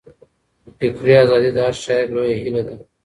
فکري ازادي د هر شاعر لویه هیله ده.